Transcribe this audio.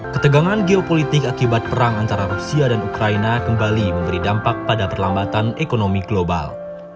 ketegangan geopolitik akibat perang antara rusia dan ukraina kembali memberi dampak pada perlambatan ekonomi global